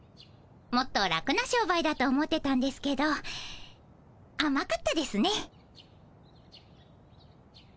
もっと楽な商売だと思ってたんですけどあまかったですね。